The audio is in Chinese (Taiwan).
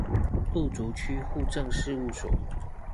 路竹區戶政事務所